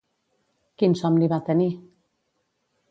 Quin somni va tenir?